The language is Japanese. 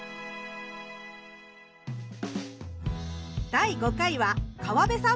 第５回は川辺さんぽ。